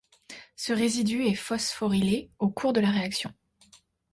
Ce résidu est phosphorylé au cours de la réaction.